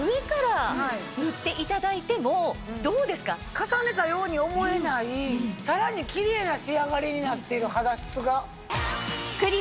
重ねたように思えないさらにキレイな仕上がりになってる肌質が。